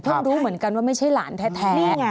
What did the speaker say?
รู้เหมือนกันว่าไม่ใช่หลานแท้